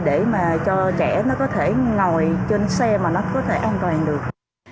để mà cho trẻ nó có thể ngồi trên xe mà nó có thể an toàn được